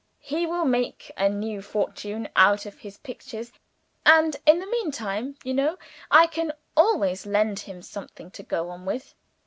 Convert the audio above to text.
He will make a new fortune Out of his pictures; and, in the meantime, you know, I can always lend him something to go on with."